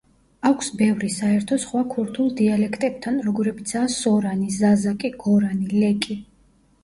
აქვს ბევრი საერთო სხვა ქურთულ დიალექტებთან, როგორებიცაა სორანი, ზაზაკი, გორანი, ლეკი.